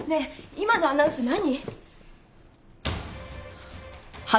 今のアナウンス何？